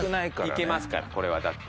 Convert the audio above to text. いけますからこれはだって。